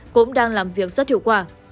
cũng đang làm việc rất hiệu quả